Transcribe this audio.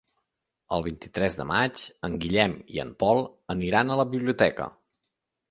El vint-i-tres de maig en Guillem i en Pol aniran a la biblioteca.